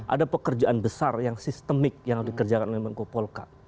ada pekerjaan besar yang sistemik yang dikerjakan oleh menko polka